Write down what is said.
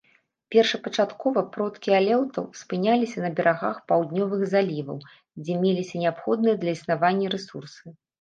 Першапачаткова продкі алеутаў спыняліся на берагах паўднёвых заліваў, дзе меліся неабходныя для існавання рэсурсы.